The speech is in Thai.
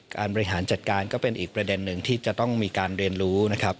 บริหารจัดการก็เป็นอีกประเด็นหนึ่งที่จะต้องมีการเรียนรู้นะครับ